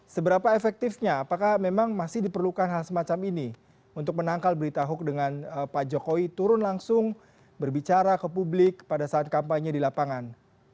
seberapa efektifnya apakah memang masih diperlukan hal semacam ini untuk menangkal berita hoax dengan pak jokowi turun langsung berbicara ke publik pada saat kampanye di lapangan